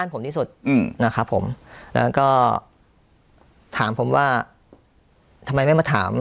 อเจมส์เป็นใครต้องต้องเมลนี่๒ตัวครับ